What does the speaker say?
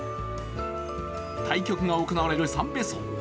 対局が行われるさんべ荘。